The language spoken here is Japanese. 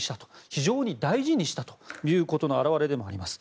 非常に大事にしたということの表れでもあります。